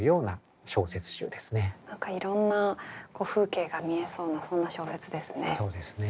何かいろんな風景が見えそうなそんな小説ですね。